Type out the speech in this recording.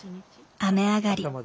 雨上がり。